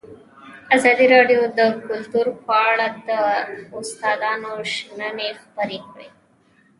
ازادي راډیو د کلتور په اړه د استادانو شننې خپرې کړي.